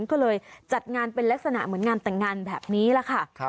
ก็เลยจัดงานเป็นลักษณะเหมือนงานแต่งงานแบบนี้แหละค่ะ